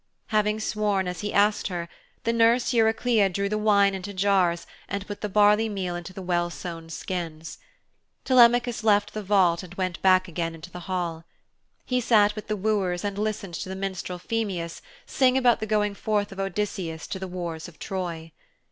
Having sworn as he asked her, the nurse Eurycleia drew the wine into jars and put the barley meal into the well sewn skins. Telemachus left the vault and went back again into the hall. He sat with the wooers and listened to the minstrel Phemius sing about the going forth of Odysseus to the wars of Troy.